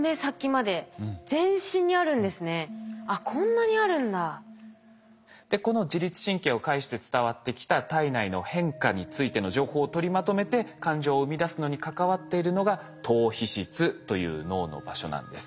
でこの自律神経を介して伝わってきた体内の変化についての情報を取りまとめて感情を生み出すのに関わっているのが島皮質という脳の場所なんです。